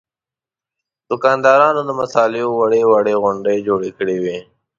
دوکاندارانو د مصالحو وړې وړې غونډۍ جوړې کړې وې.